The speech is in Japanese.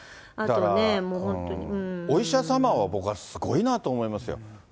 あとね、お医者様、僕はすごいなと思いますよ。